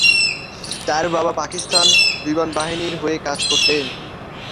তাঁর বাবা পাকিস্তান বিমান বাহিনীর হয়ে কাজ করতেন।